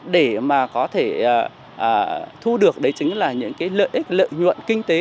để mà có thể thu được đấy chính là những cái lợi ích lợi nhuận kinh tế